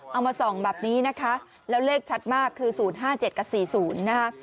เอามาส่องแบบนี้นะคะแล้วเลขชัดมากคือ๐๕๗กับ๔๐นะคะ